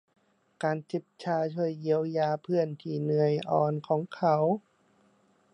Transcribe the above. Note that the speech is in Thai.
การจิบชาช่วยเยียวยาเพื่อนที่เหนื่อยอ่อนของเขา